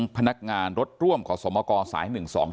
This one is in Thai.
พนักงานรถร่วมขอสมกสาย๑๒๒